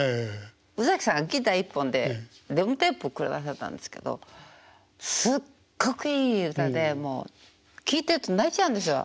宇崎さんがギター１本でデモテープを下さったんですけどすっごくいい歌で聴いてると泣いちゃうんですよ。